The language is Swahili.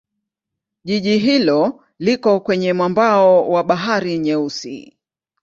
Jiji hilo liko kwenye mwambao wa Bahari Nyeusi.